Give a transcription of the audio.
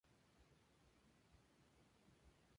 Entra en la facultad de teología de la Universidad de Lucerna.